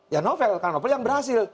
ya novel kan novel yang berhasil